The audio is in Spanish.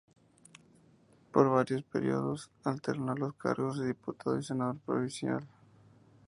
Por varios períodos alternó los cargos de diputado y senador provincial.